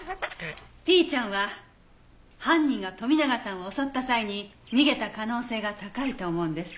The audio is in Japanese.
ピーちゃんは犯人が富永さんを襲った際に逃げた可能性が高いと思うんです。